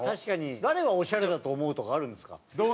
誰がオシャレだと思うとかあるんですか？